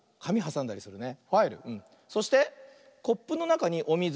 そしてコップのなかにおみず。